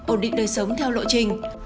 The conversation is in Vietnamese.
ổn định đời sống theo lộ trình